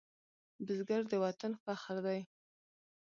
بزګر د وطن فخر دی